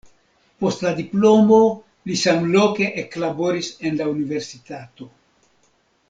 Post la diplomo li samloke eklaboris en la universitato.